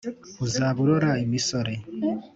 uzaba urora imisore